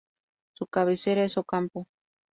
Su cabecera es Ocampo.